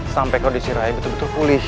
sampai kondisi rai betul betul pulih